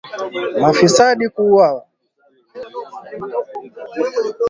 Mafisadi kuuawa